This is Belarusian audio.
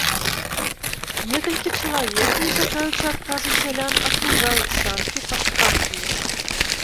Некалькі чалавек, не чакаючы адказу сялян, акружаюць санкі, падскакваюць.